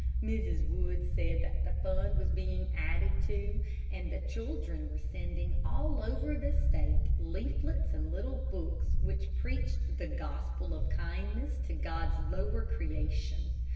Mrs. Wood said that the fund was being added to, and the children were sending all over the State leaflets and little books which preached the gospel of kindness to God's lower creation.